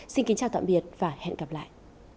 xin kính chào tạm biệt và hẹn gặp lại